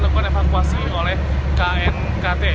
dilakukan evakuasi oleh knkt